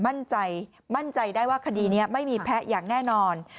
มั่นใจมั่นใจได้ว่าคดีนี้ไม่มีแพ้อย่างแน่นอน